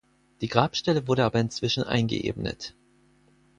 Die Grabstelle wurde aber inzwischen eingeebnet.